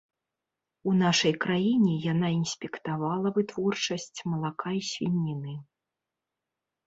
У нашай краіне яна інспектавала вытворчасць малака і свініны.